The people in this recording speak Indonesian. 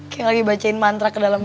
kayak lagi bacain mantra ke dalam